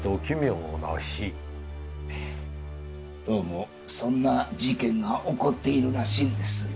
どうもそんな事件が起こっているらしいんです。